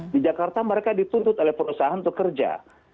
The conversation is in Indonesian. di jakarta mereka dituntut oleh perusahaan untuk kerja